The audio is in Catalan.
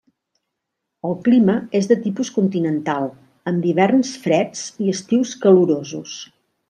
El clima és de tipus continental, amb hiverns freds i estius calorosos.